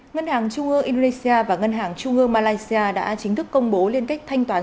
ngân hàng trung ương indonesia và ngân hàng trung ương malaysia đã chính thức công bố liên kết thanh toán